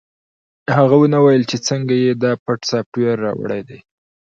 هغه ونه ویل چې څنګه یې دا پټ سافټویر راوړی دی